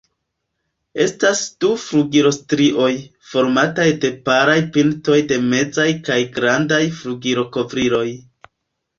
Estas du flugilstrioj, formataj de palaj pintoj de mezaj kaj grandaj flugilkovriloj.